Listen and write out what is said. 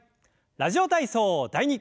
「ラジオ体操第２」。